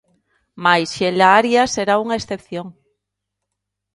Mais Xela Arias era unha excepción.